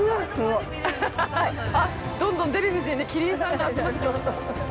どんどんデヴィ夫人にキリンさんが集まってきました。